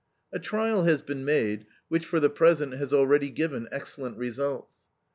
"A trial has been made, which, for the present, has already given excellent results.